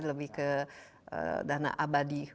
lebih ke dana abadi